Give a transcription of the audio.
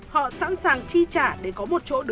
họ sẵn sàng chi trả để có một chỗ đứng